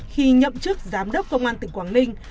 khi nhậm chức giám đốc công an tỉnh quảng ninh